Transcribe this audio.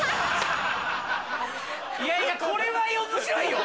いやいやこれは面白いよ！